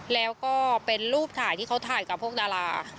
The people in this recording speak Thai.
แล้วก็เป็นรูปถ่ายที่เขาถ่ายกับพวกดารา